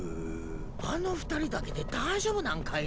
あの二人だけで大丈夫なんかいなあ？